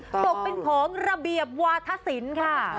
ตกเป็นของระเบียบวาธศิลป์ค่ะ